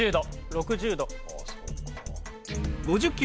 ６０度。